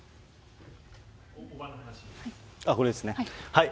これですね。